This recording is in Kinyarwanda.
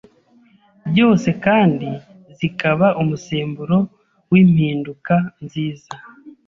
byose kandi zikaba umusemburo w’impinduka nziza;